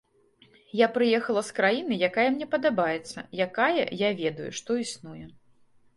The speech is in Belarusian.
Я прыехала з краіны, якая мне падабаецца, якая, я ведаю, што існуе.